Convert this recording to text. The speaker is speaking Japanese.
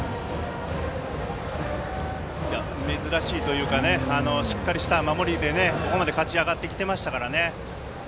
珍しいというかしっかりした守りでここまで勝ち上がってきてましたからね。